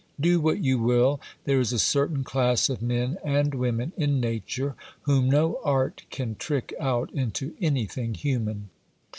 Do what you will, there is a certain class of men and women in nature, whom no art can trick out into anything human.